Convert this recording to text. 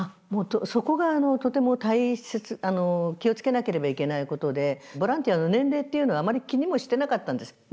もうそこがとても大切あの気を付けなければいけないことでボランティアの年齢っていうのをあまり気にもしてなかったんです。